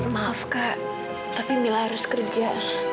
maaf kak tapi mila harus kerja